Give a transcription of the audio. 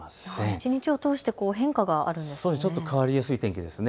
一日を通して変化があるんですね。